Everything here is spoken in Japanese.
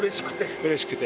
うれしくて。